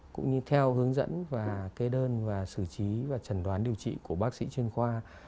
cũng như theo hướng dẫn và kê đơn và xử trí và trần đoán điều trị của bác sĩ chuyên khoa